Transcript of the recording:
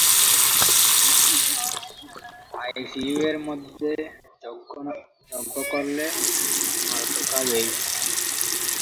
ICU এর মধ্যে যজ্ঞ করলে মার তো খাবেই!